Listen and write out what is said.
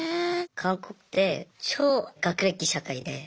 韓国って超学歴社会で。